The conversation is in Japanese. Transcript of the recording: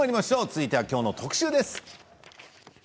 続いては、今日の特集です。